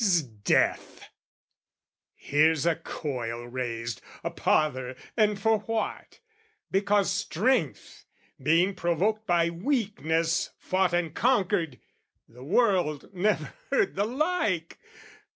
'S death! Here's a coil raised, a pother and for what? Because strength, being provoked by weakness, fought And conquered, the world never heard the like!